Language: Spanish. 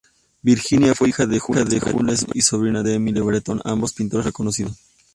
Virginia fue hija de Jules Breton y sobrina de Émile Breton, ambos pintores reconocidos.